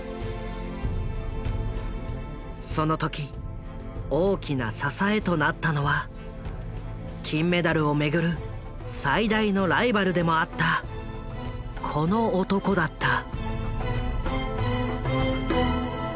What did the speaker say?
その時大きな支えとなったのは金メダルをめぐる最大のライバルでもあったこの男だった。